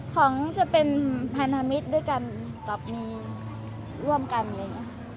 ของจะเป็นพันธมิตรด้วยกันกับมีร่วมกันอะไรอย่างนี้